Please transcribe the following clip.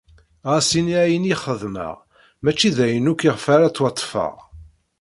Ɣas ini ayen i xedmeɣ mačči d ayen akk iɣef ara ttwaṭṭfeɣ.